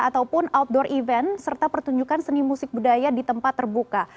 ataupun outdoor event serta pertunjukan seni musik budaya di tempat terbuka